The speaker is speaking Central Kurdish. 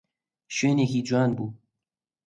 شوێنێکی جوان بوو.